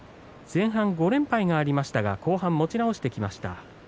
前半５連敗がありましたが後半、持ち直しました。